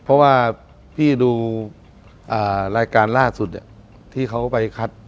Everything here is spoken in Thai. เพราะว่าพี่ดูรายการล่าสุดที่เขาไปคัด